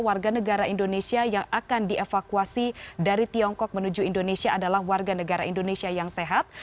warga negara indonesia yang akan dievakuasi dari tiongkok menuju indonesia adalah warga negara indonesia yang sehat